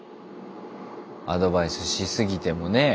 アドバイスしすぎてもねぇ。